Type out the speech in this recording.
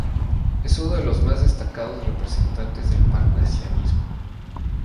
Es uno de los más destacados representantes del parnasianismo.